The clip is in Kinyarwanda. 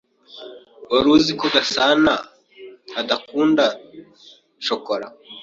Wari uzi ko Gasana adakunda shokora?